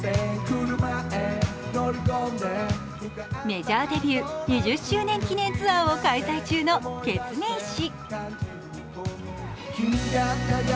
メジャーデビュー２０周年記念ツアーを開催中のケツメイシ。